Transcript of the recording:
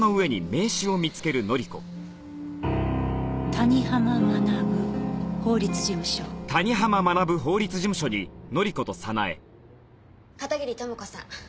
「谷浜学法律事務所」片桐朋子さん。